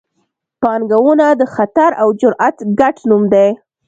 پانګونه د خطر او جرات ګډ نوم دی.